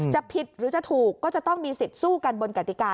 จะผิดหรือจะถูกก็จะต้องมีสิทธิ์สู้กันบนกติกา